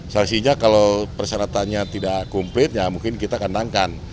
sanksinya kalau persyaratannya tidak komplit ya mungkin kita kandangkan